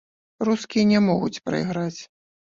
Рускія не могуць прайграць.